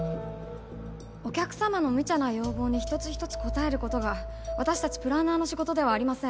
お客様のむちゃな要望に一つ一つ応えることが私たちプランナーの仕事ではありません。